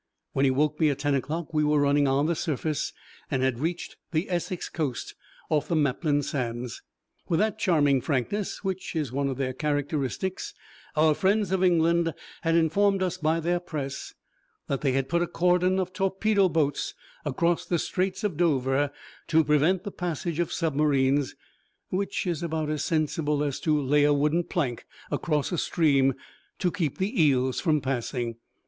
When he woke me at ten o'clock we were running on the surface, and had reached the Essex coast off the Maplin Sands. With that charming frankness which is one of their characteristics, our friends of England had informed us by their Press that they had put a cordon of torpedo boats across the Straits of Dover to prevent the passage of submarines, which is about as sensible as to lay a wooden plank across a stream to keep the eels from passing.